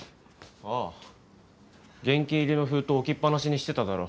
ああ現金入りの封筒置きっ放しにしてただろ？